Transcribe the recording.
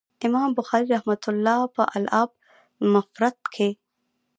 امام بخاري رحمه الله په الأدب المفرد کي